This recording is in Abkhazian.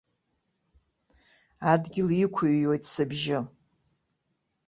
Адгьыл иқәыҩуеит сыбжьы.